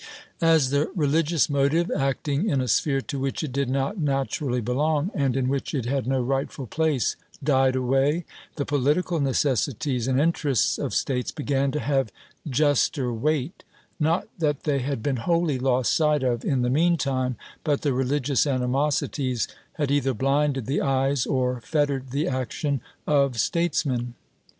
As the religious motive, acting in a sphere to which it did not naturally belong, and in which it had no rightful place, died away, the political necessities and interests of States began to have juster weight; not that they had been wholly lost sight of in the mean time, but the religious animosities had either blinded the eyes, or fettered the action, of statesmen.